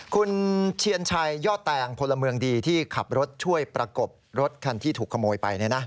คุณเชียนชัยยอดแตงพลเมืองดีที่ขับรถช่วยประกบรถคันที่ถูกขโมยไป